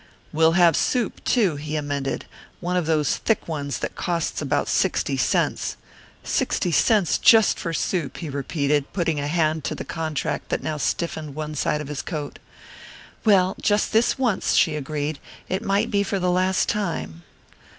"We'll have soup, too," he amended. "One of those thick ones that costs about sixty cents. Sixty cents just for soup!" he repeated, putting a hand to the contract that now stiffened one side of his coat. "Well, just this once," she agreed. "It might be for the last time."